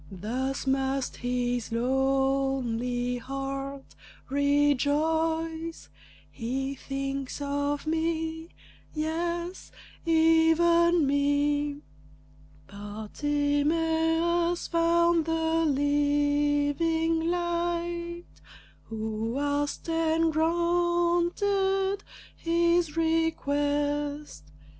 Thus must his lonely heart rejoice, "He thinks of me; yes, even me!" Bartimæus found the Living Light Who asked and granted his request.